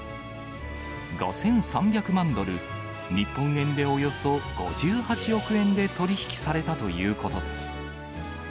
５３００万ドル、日本円でおよそ５８億円で取り引きされたということです。